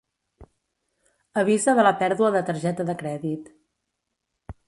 Avisa de la pèrdua de targeta de crèdit.